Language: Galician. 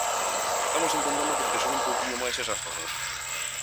Estamos intentando protexer un pouquiño máis esas zonas.